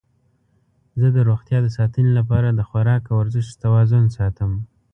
زه د روغتیا د ساتنې لپاره د خواراک او ورزش توازن ساتم.